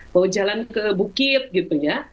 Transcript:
mau jalan ke bukit gitu ya